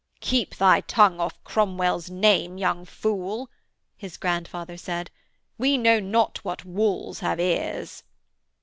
'Keep thy tongue off Cromwell's name, young fool,' his grandfather said. 'We know not what walls have ears.'